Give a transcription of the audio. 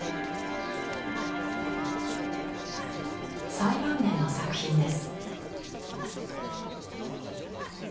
最晩年の作品です。